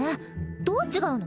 どう違うの？